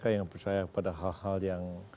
yang percaya pada hal hal yang